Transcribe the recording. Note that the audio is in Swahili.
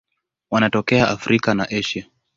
Wanatokea Afrika na Asia.